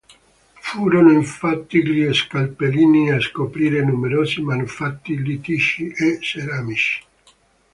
Furono infatti gli scalpellini a scoprire numerosi manufatti litici e ceramici.